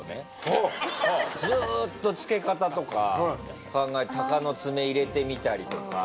ずっと漬け方とか考えてタカノツメ入れてみたりとか。